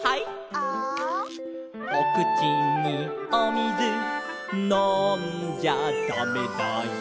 「ア」「おくちにおみずのんじゃだめだよ」